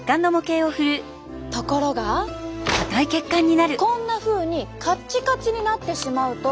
ところがこんなふうにカッチカチになってしまうと。